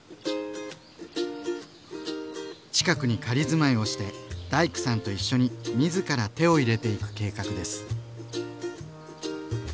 近くに仮住まいをして大工さんと一緒に自ら手を入れていく計画です。